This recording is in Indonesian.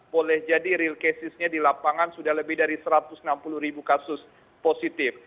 boleh jadi real casesnya di lapangan sudah lebih dari satu ratus enam puluh ribu kasus positif